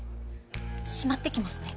しまってきますね。